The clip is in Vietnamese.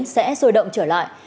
sẽ sôi động trở lại